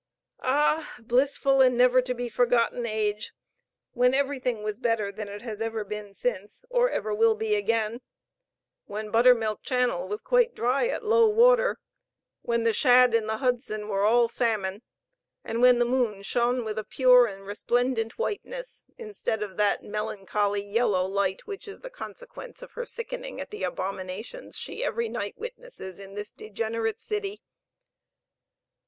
Ah! blissful and never to be forgotten age! when everything was better than it has ever been since, or ever will be again when Buttermilk Channel was quite dry at low water when the shad in the Hudson were all salmon, and when the moon shone with a pure and resplendent whiteness, instead of that melancholy yellow light which is the consequence of her sickening at the abominations she every night witnesses in this degenerate city!